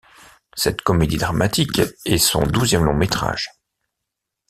Cette comédie dramatique est son douzième long métrage.